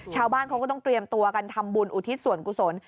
ชาวบ้านเขาก็ต้องเตรียมตัวกันทำบุญอุทิศส่วนกุศล